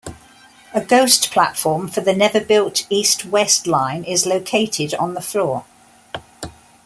A ghost platform for the never built east-west line is located on the floor.